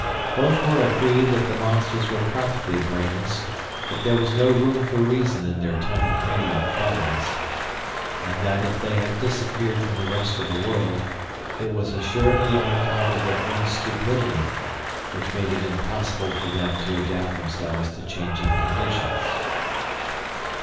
Both were agreed that the monsters were practically brainless, that there was no room for reason in their tiny cranial cavities, and that if they have disappeared from the rest of the world it was assuredly on account of their own stupidity, which made it impossible for them to adapt themselves to changing conditions.